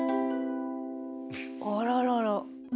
あららら。